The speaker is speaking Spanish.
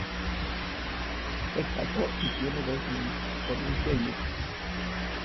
Se casó y tiene dos niños, Olympia y Lucas.